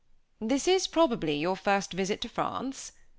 "This is, probably, your first visit to France?"